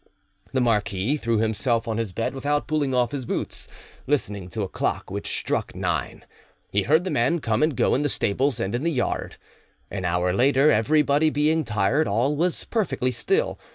The marquis threw himself on his bed without pulling off his boots, listening to a clock which struck nine. He heard the men come and go in the stables and in the yard. An hour later, everybody being tired, all was perfectly still.